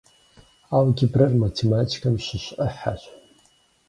Алгебрэр математикэм щыщ ӏыхьэщ.